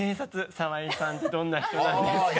澤井さんってどんな人なんですか？